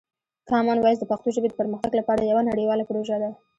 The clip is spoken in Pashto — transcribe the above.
کامن وایس د پښتو ژبې د پرمختګ لپاره یوه نړیواله پروژه ده.